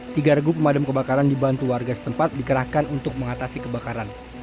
tiga regu pemadam kebakaran dibantu warga setempat dikerahkan untuk mengatasi kebakaran